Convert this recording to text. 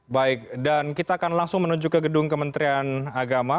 baik dan kita akan langsung menuju ke gedung kementerian agama